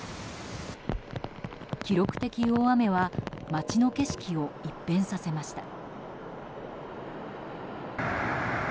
記録的大雨は街の景色を一変させました。